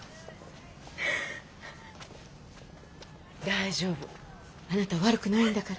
大丈夫あなたは悪くないんだから。